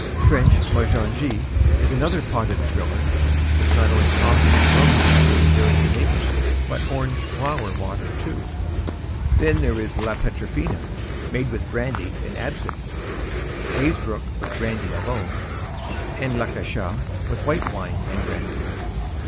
French la Jonchée is another potted thriller with not only coffee and rum mixed in during the making, but orange flower water, too. Then there is la Petafina, made with brandy and absinthe; Hazebrook with brandy alone; and la Cachat with white wine and brandy.